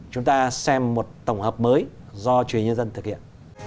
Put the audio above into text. chúng ta xem một tổng hợp mới do chủ yếu nhân dân thực hiện